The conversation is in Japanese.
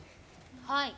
はい。